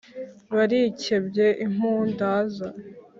barikebye impundaza